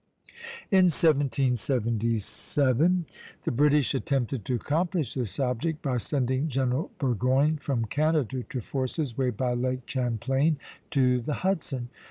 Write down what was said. In 1777 the British attempted to accomplish this object by sending General Burgoyne from Canada to force his way by Lake Champlain to the Hudson.